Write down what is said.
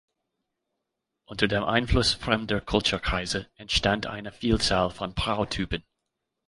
Unter dem Einfluss fremder Kulturkreise entstand eine Vielzahl von Prau-Typen.